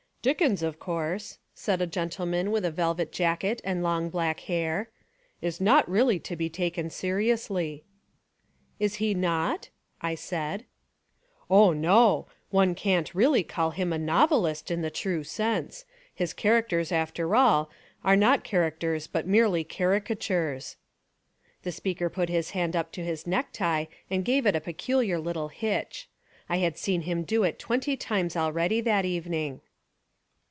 "Dickens, of course," said a gentleman with a velvet jacket and long black hair, "is not really to be taken seriously." "Is he not?" I said. "Oh, no. One can't really call him a novel ist in the true sense. His characters after all are not characters but merely caricatures." The speaker put his hand up to his necktie and gave it a peculiar little hitch. I had seen him do it twenty times already that evening.